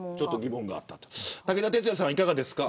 武田さんは、いかがですか。